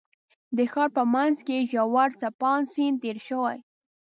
د ښار په منځ کې یې ژور څپاند سیند تېر شوی.